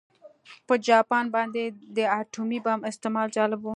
په جاپان باندې د اتومي بم استعمال جالب و